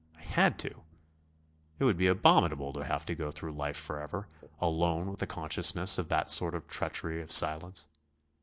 I had to. It would be abominable to have to go through life forever, alone with the consciousness of that sort of treachery of silence.